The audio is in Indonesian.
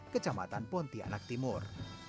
kecamatan pontianak timur